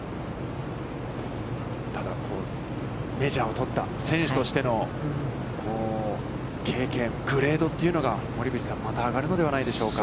ただ、メジャーを取った選手としての、経験、グレードというのが、森口さん、また上がるのではないでしょうか。